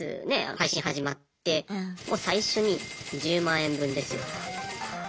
配信始まってもう最初に１０万円分ですよ。